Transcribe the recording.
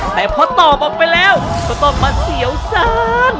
แต่พอตอบออกไปแล้วก็ต้องมาเสียวสั้น